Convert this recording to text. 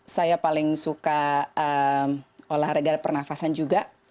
saya paling suka olahraga pernafasan juga